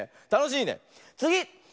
つぎ！